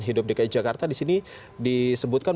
hidup dki jakarta di sini disebutkan